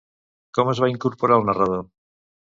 Com es va incorporar el narrador?